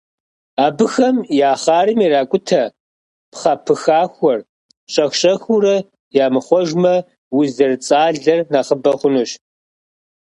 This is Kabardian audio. Абыхэм я хъарым иракӏутэ пхъэ пыхахуэр щӏэх-щӏэхыурэ ямыхъуэжмэ, уз зэрыцӏалэр нэхъыбэ хъунущ.